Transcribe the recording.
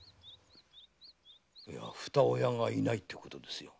ふた親がいないってことですよ。